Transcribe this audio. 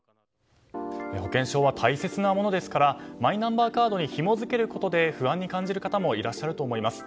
保険証は大切なものですからマイナンバーカードにひもづけることで不安に感じる方もいらっしゃると思います。